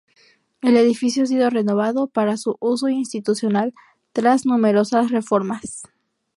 El edificio ha sido renovado para su uso institucional tras numerosas reformas.